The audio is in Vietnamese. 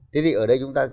thế thì ở đây chúng ta